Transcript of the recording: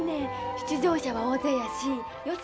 出場者は大勢やし予選